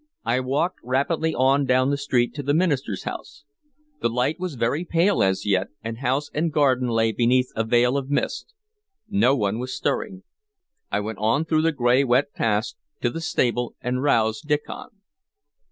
I walked rapidly on down the street to the minister's house. The light was very pale as yet, and house and garden lay beneath a veil of mist. No one was stirring. I went on through the gray wet paths to the stable, and roused Diccon.